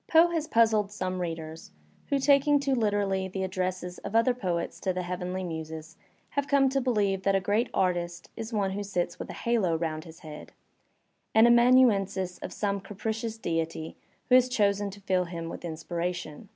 Poe has puzzled some readers who, taking too literally the addresses of other poets to the heavenly muses, have come to believe that a great artist is one who sits with a halo round his head, an amanuensis of some capricious deity who has chosen to fill him with inspiration.